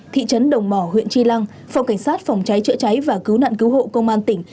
thị trấn đồng mỏ huyện tri lăng phòng cảnh sát phòng cháy chữa cháy và cứu nạn cứu hộ công an tỉnh